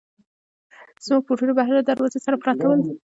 زموږ بوټونه بهر له دروازې سره پراته ول.